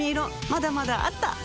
まだまだあった！